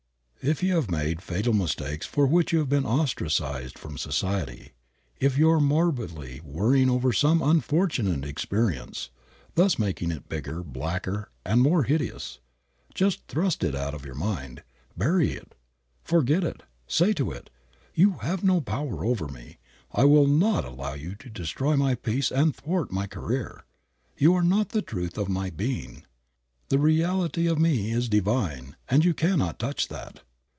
'" If you have made fatal mistakes for which you have been ostracized from society; if you are morbidly worrying over some unfortunate experience, thus making it bigger, blacker and more hideous, just thrust it out of your mind, bury it, forget it, say to it, "You have no power over me; I will not allow you to destroy my peace and thwart my career; you are not the truth of my being; the reality of me is divine, and you cannot touch that.